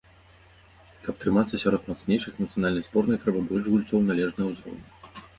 Каб трымацца сярод мацнейшых, нацыянальнай зборнай трэба больш гульцоў належнага ўзроўню.